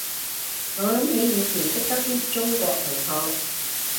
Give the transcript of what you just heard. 我諗起以前識得啲中國同學